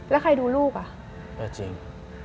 แล้วใครดูลูกอ่ะเออจริง